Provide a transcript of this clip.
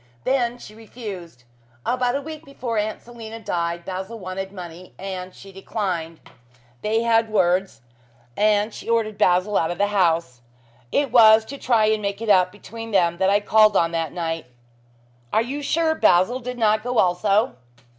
Then she refused. About a week before Aunt Selina died, Basil wanted money, and she declined. They had words and she ordered Basil out of the house. It was to try and make it up between them that I called on that night." "Are you sure Basil did not go also?"